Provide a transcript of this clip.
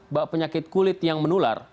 bak penyakit kulit yang menular